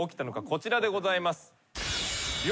こちらでございます。